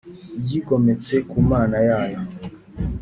yigometse ku Mana yayo.